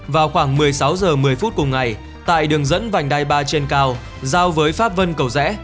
vào khoảng một mươi sáu h một mươi phút cùng ngày tại đường dẫn vành đai ba trên cao giao với pháp vân cầu rẽ